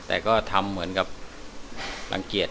แต่ก็ทำเหมือนกับรังเกียจ